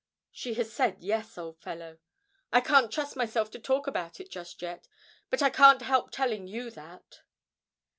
She has said "Yes," old fellow. I can't trust myself to talk about it just yet, but I can't help telling you that.'